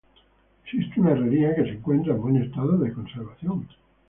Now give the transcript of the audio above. Existe una herrería que se encuentra en buen estado de conservación.